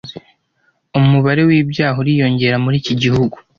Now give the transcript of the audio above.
Umubare w’ibyaha uriyongera muri iki gihugu.